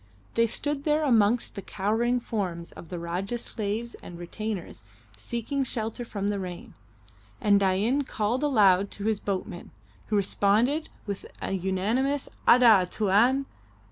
They stood there amongst the cowering forms of the Rajah's slaves and retainers seeking shelter from the rain, and Dain called aloud to his boatmen, who responded with an unanimous "Ada! Tuan!"